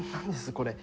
これ。